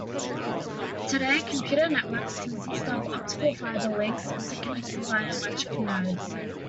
Today, computer networks consist of optical fiber links, interconnected by electrical nodes.